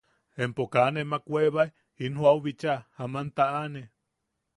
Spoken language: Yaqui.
¿Empo kaa nemak weebae in joʼau bicha aman taʼane?